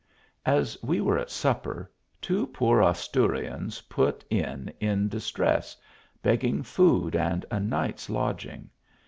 A 5 we were at supper, two poor Asturians put in in distress, begging food and a night s lodging.